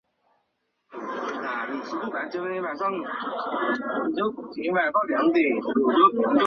歌曲的歌词也正好描述了斯威夫特十七岁时与恋人在星光下跳舞的经历。